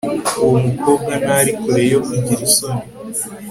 Uwo mukobwa ntari kure yo kugira isoni